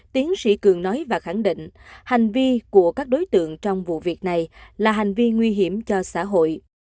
tiến sĩ cường nói và khẳng định hành vi của các đối tượng trong vụ việc này là hành vi nguy hiểm cho xã hội